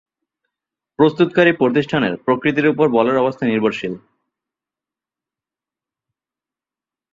প্রস্তুতকারী প্রতিষ্ঠানের প্রকৃতির উপর বলের অবস্থা নির্ভরশীল।